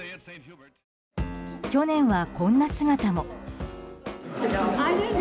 去年はこんな姿も。